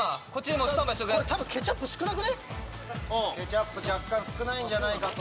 ケチャップ若干少ないんじゃないかと。